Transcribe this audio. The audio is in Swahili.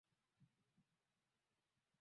Alikufa baada ya kunywa sumu